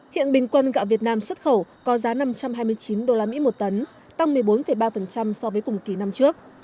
hiện bình quân gạo việt nam xuất khẩu có giá năm trăm hai mươi chín usd một tấn tăng một mươi bốn ba so với cùng kỳ năm trước